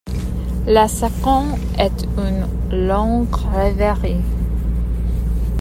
Le second est une longue rêverie.